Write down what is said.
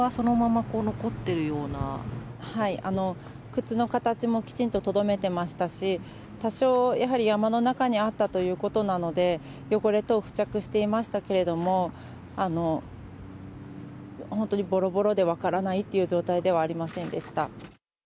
靴の形もきちんととどめてましたし、多少、やはり山の中にあったということなので、汚れ等付着していましたけれども、本当にぼろぼろで分からないという状態ではありませんでした。